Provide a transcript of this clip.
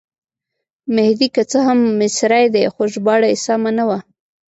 مهدي که څه هم مصری دی خو ژباړه یې سمه نه وه.